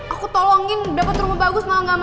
aku tolongin dapet rumah bagus malah gak berhasil